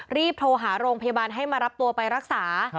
รีบโทรหาโรงพยาบาลให้มารับตัวไปรักษา